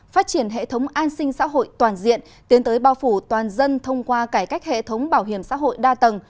phát triển hệ thống an sinh xã hội toàn diện tiến tới bao phủ toàn dân thông qua cải cách hệ thống bảo hiểm xã hội đa tầng